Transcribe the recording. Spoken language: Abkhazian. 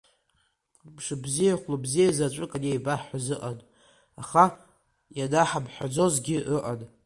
Мшыбзиеи хәлыбзиеи заҵәык анеибаҳҳәоз ыҟан, аха ианаҳамҳәаӡозгьы ыҟан.